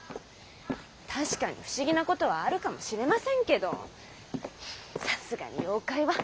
確かに不思議なことはあるかもしれませんけどさすがに妖怪は。